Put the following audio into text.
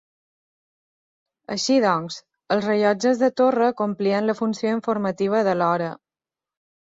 Així doncs, els rellotges de torre complien la funció informativa de l'hora.